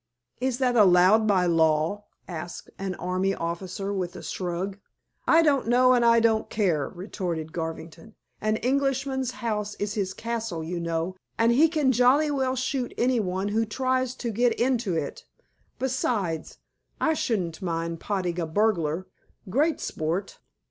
"Is that allowed by law?" asked an army officer with a shrug. "I don't know and I don't care," retorted Garvington. "An Englishman's house is his castle, you know, and he can jolly well shoot any one who tries to get into it. Besides, I shouldn't mind potting a burglar. Great sport."